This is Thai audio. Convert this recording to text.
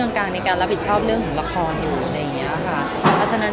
งังกาลในการรับผิดชอบเรื่องหรือละครนะอย่างเนี้ยค่ะเพราะฉะนั้น